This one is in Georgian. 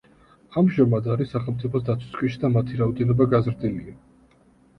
ამჟამად არის სახელმწიფოს დაცვის ქვეშ და მათი რაოდენობა გაზრდილია.